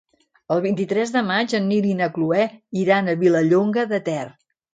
El vint-i-tres de maig en Nil i na Cloè iran a Vilallonga de Ter.